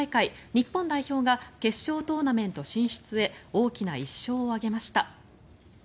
日本代表が決勝トーナメント進出へ大きな１勝を挙げました。